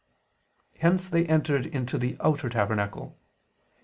Hence they entered into the outer tabernacle.